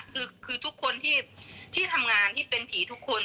คือทุกคนที่ทำงานที่เป็นผีทุกคน